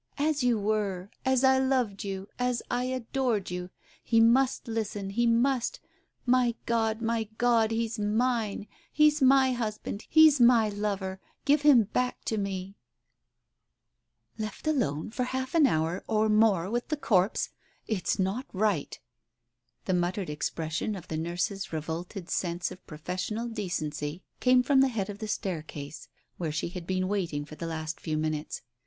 As you were — as I loved you— as I adored you ! He must listen. He must 1 My God, my God, he's mine — he's my hus band, he's my lover — give him back to me !"•••••••— "Left alone for half an hour or more with the corpse ! It's not right !" The muttered expression of the nurse's revolted sense of professional decency came from the head of the stair case, where she had been waiting for the last few minutes.